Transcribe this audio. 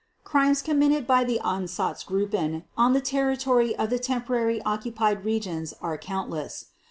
Crimes committed by the Einsatzgruppen on the territory of the temporarily occupied regions are countless.